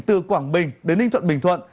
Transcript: từ quảng bình đến ninh thuận bình thuận